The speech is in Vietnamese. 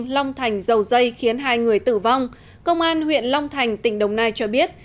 lòng thành dầu dây khiến hai người tử vong công an huyện lòng thành tỉnh đồng nai cho biết